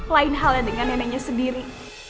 lain halnya dengan neneknya sendiri